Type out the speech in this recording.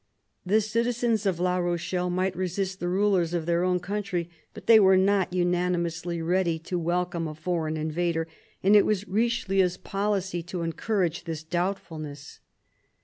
The citizens of La Rochelle might resist the rulers of their own country, but they were not unanimously ready to welcome a foreign invader, and it was Richelieu's policy to THE CARDINAL 183 encourage this doubtfulness.